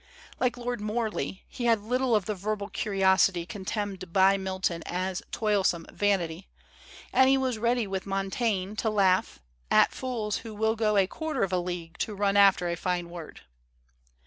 Like Lord Morley, he had little of the verbal curiosity contemned by Milton as ''toil some vanity"; and he was ready with Montaigne to laugh "at fools who will go a quarter of a league to run after a fine word."